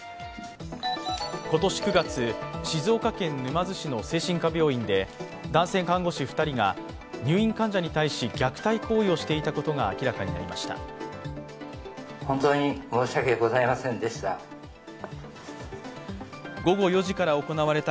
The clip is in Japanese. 今年９月、静岡県沼津市の精神科病院で男性看護師２人が入院患者に対し、虐待行為をしていたことが明らかになりました。